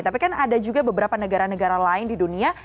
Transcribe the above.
tapi kan ada juga beberapa negara negara lain di dunia